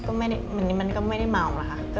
ก็ไม่ได้เหมือนมันก็ไม่ได้เมานะคะ